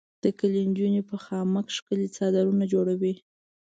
د کلي انجونې په خامک ښکلي څادرونه جوړوي.